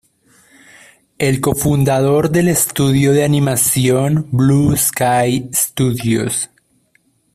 Es cofundador del estudio de animación Blue Sky Studios.